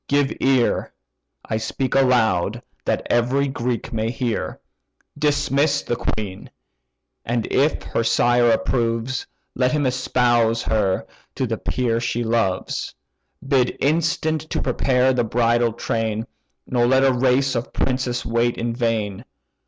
give ear (I speak aloud, that every Greek may hear): Dismiss the queen; and if her sire approves Let him espouse her to the peer she loves: Bid instant to prepare the bridal train, Nor let a race of princes wait in vain.